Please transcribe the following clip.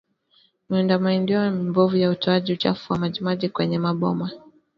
Miundombinu mibovu ya utoaji uchafu wa majimaji kwenye maboma